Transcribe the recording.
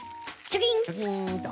チョキンと。